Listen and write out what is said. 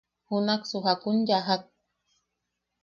¿Junaksu jakun yajak?